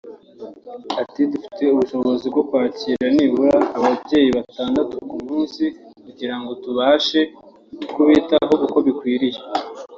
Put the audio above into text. Ati “ Dufite ubushobozi bwo kwakira nibura ababyeyi batandatu ku munsi kugirango tubashe kubitaho uko bikwiriye